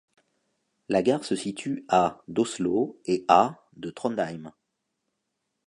La gare se situe à d'Oslo et à de Trondheim.